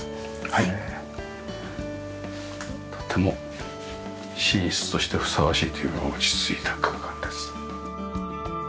とても寝室としてふさわしいという落ち着いた空間です。